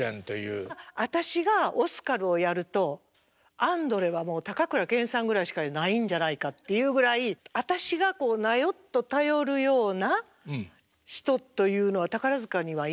私がオスカルをやるとアンドレはもう高倉健さんぐらいしかないんじゃないかっていうぐらい私がこうなよっと頼るような人というのは宝塚にはいない。